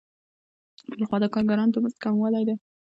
بل خوا د کارګرانو د مزد کموالی دی